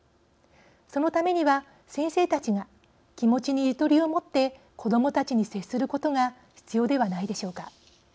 そのためには、先生たちが気持ちにゆとりを持って子どもたちに接することが必要ではないでしょうか。